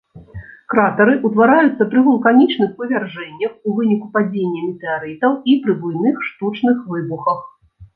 Кратары ўтвараюцца пры вулканічных вывяржэннях, у выніку падзення метэарытаў і пры буйных штучных выбухах.